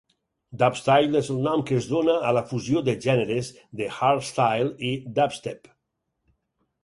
Dubstyle és el nom que es dóna a la fusió de gèneres de hardstyle i dubstep.